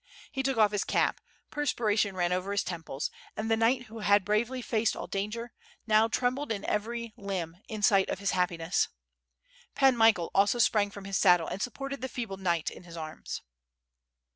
He took off his cap, perspiration ran over his temples, and the knight who had bravely faced all danger, now trembled in every limb, in sight of his happiness. Pan Michael also sprang from his saddle and supported the feeble knight in his arms.